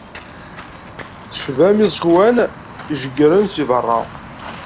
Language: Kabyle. Tecbam iẓekkwan ijeggren si beṛṛa.